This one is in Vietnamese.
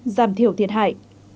và thiểu thiệt hại